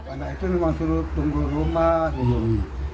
anak itu memang suruh tunggu rumah di sini